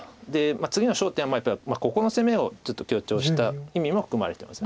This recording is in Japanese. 次の焦点はやっぱりここの攻めをちょっと強調した意味も含まれてます